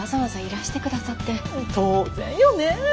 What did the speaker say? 当然よねえ。